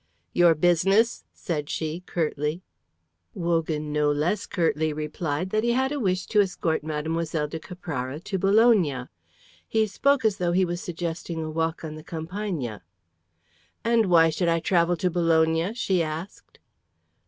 "Your business," said she, curtly. Wogan no less curtly replied that he had a wish to escort Mlle. de Caprara to Bologna. He spoke as though he was suggesting a walk on the Campagna. "And why should I travel to Bologna?" she asked.